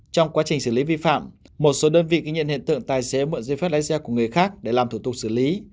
trong quá trình xử lý vi phạm một số đơn vị ghi nhận hiện tượng tài xế mượn giấy phép lái xe của người khác để làm thủ tục xử lý